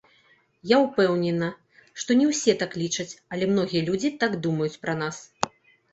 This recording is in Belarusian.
Я ўпэўнена, што не ўсе так лічаць, але многія людзі так думаюць пра нас.